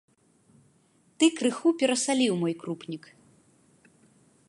Ты крыху перасаліў мой крупнік.